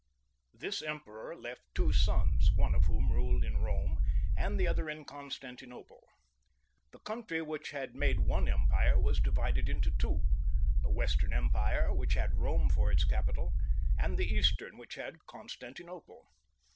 This emperor left two sons, one of whom ruled in Bome, and the other in Constantinople. The country which had made one empire was divided into two — ^the Western Empire, which had Bome for its capital, and the Eastern, which had Constantinople.